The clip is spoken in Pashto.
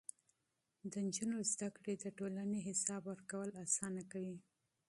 د نجونو تعليم د ټولنې حساب ورکول اسانه کوي.